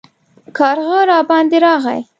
کارغه راباندې راغی